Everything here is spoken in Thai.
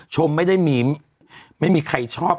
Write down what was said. ชมไม่ได้มีไม่มีใครชอบ